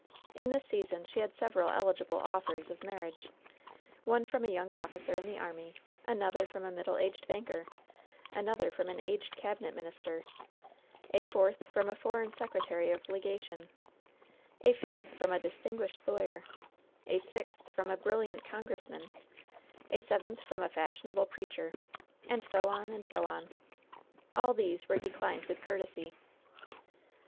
In this season she had several "eligible" offers of mar riage — one from a young oflScer in the army; another from a middle aged banker ; another from an aged cab inet minister; a fourth from a foreign secretary of legation; a fifth from a distinguished lawyer; a sixth from a brilliant congressman ; a seventh from a fashiona ble preacher; and so on and so on. All these were declined with courtesy.